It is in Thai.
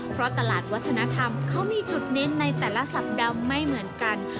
เพราะตลาดวัฒนธรรมเขามีจุดเน้นในแต่ละสัปดาห์ไม่เหมือนกัน